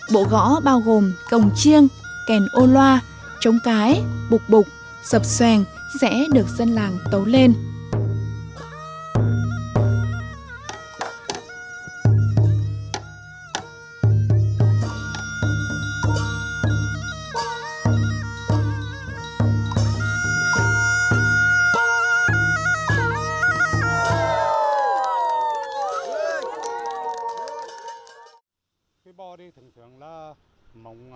bộ gõ bao gồm cồng chiêng kèn ô loa trống cái bục bục sập xoèn sẽ được dân làng tấu lên